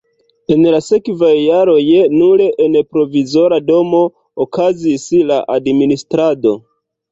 En la sekvaj jaroj nur en provizora domo okazis la administrado.